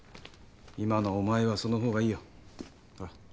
今のお前はその方がいいよ。ほら。